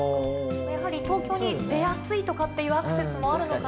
やはり東京に出やすいとかっていうアクセスもあるのかなという。